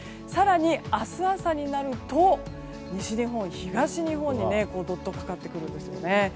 更に、明日朝になると西日本、東日本にどっとかかってくるんですよね。